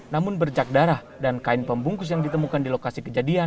namun bercak darah dan kain pembungkus yang ditemukan di lokasi kejadian